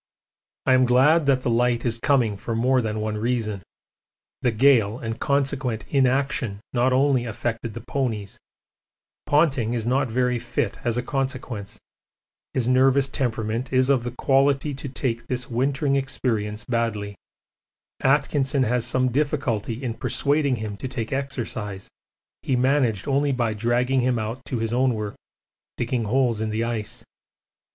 I am glad that the light is coming for more than one reason. The gale and consequent inaction not only affected the ponies, Ponting is not very fit as a consequence his nervous temperament is of the quality to take this wintering experience badly Atkinson has some difficulty in persuading him to take exercise he managed only by dragging him out to his own work, digging holes in the ice.